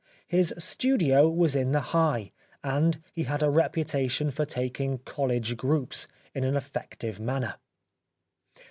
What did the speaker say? His studio was in the " High," and he had a reputation for taking " College groups " in an effective manner.